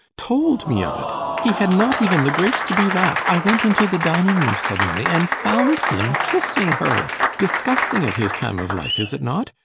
'Told me of it! he had not even the grace to do that. I went into the dining room suddenly and found him kissing her disgusting at his time of life, is it not?